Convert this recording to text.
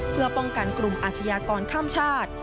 เพื่อป้องกันกลุ่มอาชญากรข้ามชาติ